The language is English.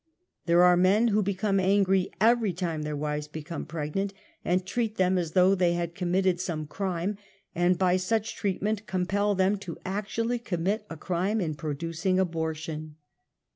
There are men who become aiigry every time their wives become pregnant, and treat them as though they had committed some crime, and by such treat ment compel them to actually commit a crime in producing abortion.